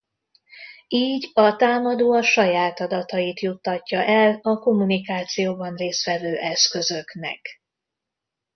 Így a támadó a saját adatait juttatja el a kommunikációban részt vevő eszközöknek.